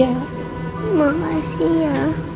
terima kasih ya